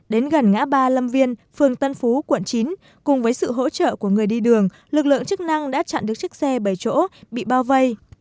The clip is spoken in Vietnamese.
đến gần ngã ba lâm viên phường tân phú quận chín cùng với sự hỗ trợ của người đi đường lực lượng chức năng đã chặn được chiếc xe bảy chỗ bị bao vây